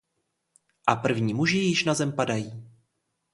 A první muži již na zem padají.